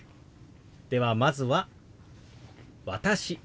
ではまずは「私」。